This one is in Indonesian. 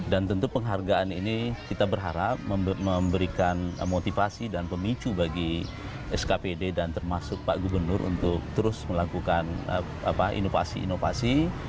dan tentu penghargaan ini kita berharap memberikan motivasi dan pemicu bagi skpd dan termasuk pak gubernur untuk terus melakukan inovasi inovasi